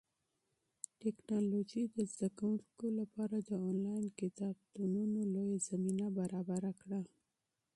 ټیکنالوژي د زده کوونکو لپاره د انلاین کتابتونونو لویه زمینه برابره کړه.